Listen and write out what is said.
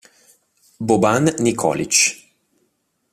Boban Nikolić